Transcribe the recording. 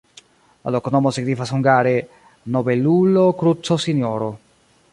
La loknomo signifas hungare: nobelulo-kruco-sinjoro.